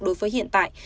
đối với hiện tại